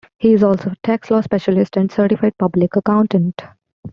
He is also a tax law specialist and Certified Public Accountant.